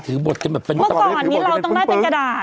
เมื่อก่อนเนี้ยด้านลาถือบทกันแบบเมื่อก่อนเนี้ยเราต้องได้เป็นกระดาษ